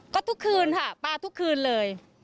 ก็ทุกคืนค่ะปลาทุกคืนเลย